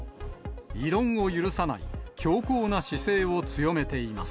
異論を許さない、強硬な姿勢を強めています。